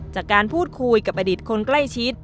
จากการพูดคุยกับอดิตคนใกล้ชิด